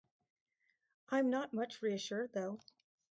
I'm not much reassured though.